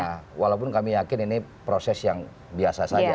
nah walaupun kami yakin ini proses yang biasa saja